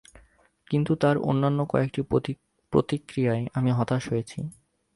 কিন্তু তার অন্যান্য কয়েকটি প্রতিক্রিয়ায় আমি হতাশ হয়েছি।